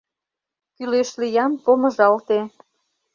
Кӱлеш лиям - помыжалте.